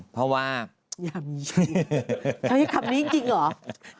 ไม่อ่ะอย่ามีชู้คำนี้จริงหรือ